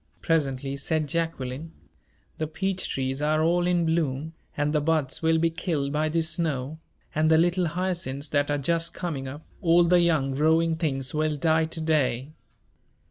presently said Jacqueline; "the peach trees are all in bloom, and the buds will be killed by this snow and the little hyacinths that are just coming up all the young growing things will die to day."